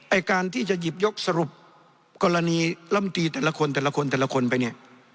ไอ้การที่จะหยิบยกสรุปกรณีลำตีแต่ละคนแต่ละคนแต่ละคนไปเนี่ย